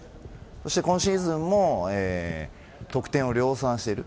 そして、今シーズンも得点を量産している。